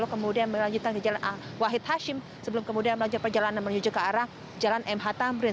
kemudian melanjutkan ke jalan wahid hashim sebelum kemudian melanjutkan perjalanan menuju ke arah jalan mh tamrin